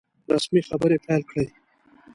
رسمي خبري پیل کړې.